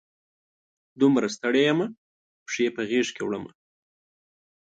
دومره ستړي یمه، پښې په غیږ کې وړمه